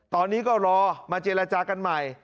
ตอนนี้ก็รอมาเจรจากันใหม่